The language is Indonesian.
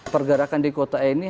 pergerakan di kota ini